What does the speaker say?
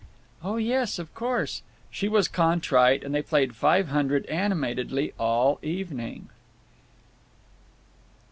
_" "Oh yes, of course." She was contrite, and they played Five Hundred animatedly all evening.